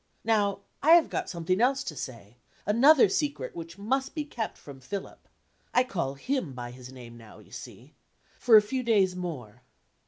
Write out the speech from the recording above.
Now I have got something else to say; another secret which must be kept from Philip (I call him by his name now, you see) for a few days more.